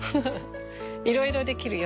いろいろできるよ。